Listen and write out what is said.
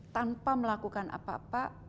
tanpa melakukan apa apa